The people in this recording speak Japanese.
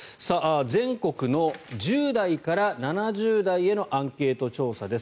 全国の１０代から７０代へのアンケート調査です。